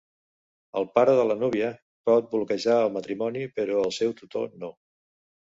El pare de la núvia pot bloquejar el matrimoni, però el seu tutor no.